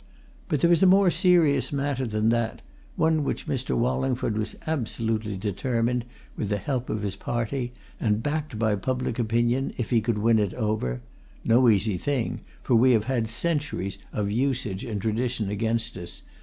But there is a more serious matter than that, one which Mr. Wallingford was absolutely determined, with the help of his party, and backed by public opinion, if he could win it over no easy thing, for we had centuries of usage and tradition against us!